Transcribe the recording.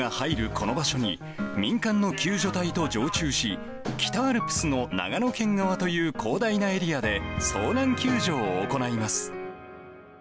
この場所に、民間の救助隊と常駐し、北アルプスの長野県側という広大なエリアで、遭難救助を行います。